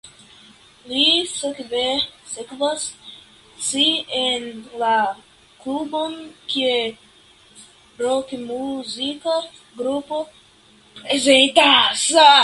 Li sekvas ŝin en la klubon kie rokmuzika grupo prezentas.